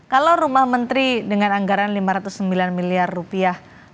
kalau rumah menteri dengan anggaran lima ratus sembilan miliar rupiah